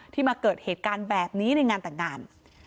มาเกิดเหตุการณ์แบบนี้ในงานแต่งงาน